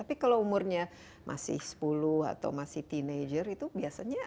tapi kalau umurnya masih sepuluh atau masih teenager itu biasanya